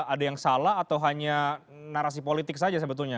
ada yang salah atau hanya narasi politik saja sebetulnya